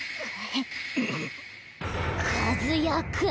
和也君。